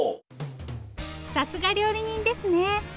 さすが料理人ですね！